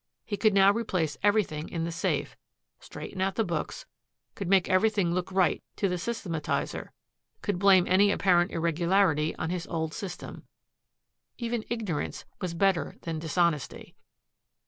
He could now replace everything in the safe, straighten out the books, could make everything look right to the systematizer, could blame any apparent irregularity on his old system. Even ignorance was better than dishonesty.